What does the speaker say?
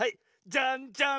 じゃんじゃん！